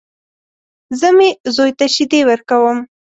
زه مې زوی ته شيدې ورکوم.